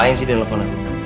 terima kasih dilepon aku